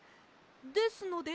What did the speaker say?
ですので。